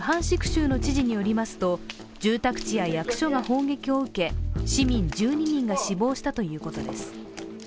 州の知事によりますと、住宅地や役所が砲撃を受け、市民１２人が死亡したということです。